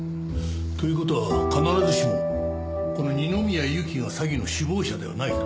という事は必ずしもこの二宮ゆきが詐欺の首謀者ではないと？